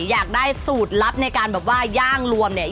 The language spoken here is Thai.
อยากได้สูตรลับในการแบบว่าย่างรวมเนี่ย